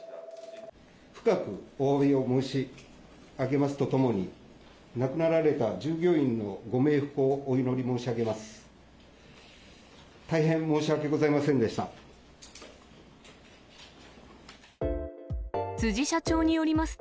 深くおわびを申し上げますとともに、亡くなられた従業員のご冥福をお祈り申し上げます。